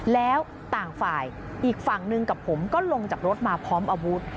แล้วต่างฝ่ายอีกฝั่งหนึ่งกับผมก็ลงจากรถมาพร้อมอาวุธ